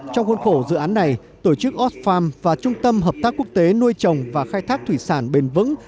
trong khuôn khổ dự án này tổ chức osfarm và trung tâm hợp tác quốc tế nuôi trồng và khai thác thủy sản bền vững